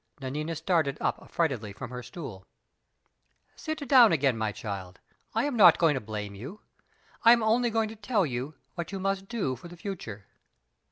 (Nanina started up affrightedly from her stool.) "Sit down again, my child; I am not going to blame you. I am only going to tell you what you must do for the future."